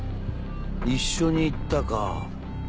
一緒に行ったか